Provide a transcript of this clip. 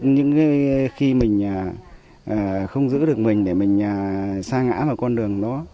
những khi mình không giữ được mình để mình xa ngã vào con đường đó